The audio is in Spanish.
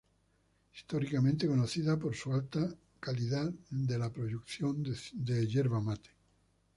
Históricamente conocida por su alta calidad de la producción de yerba mate.